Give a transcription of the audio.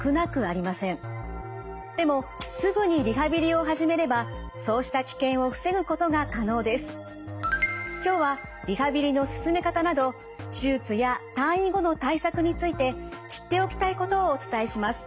今週は４日目の今日はでも今日はリハビリの進め方など手術や退院後の対策について知っておきたいことをお伝えします。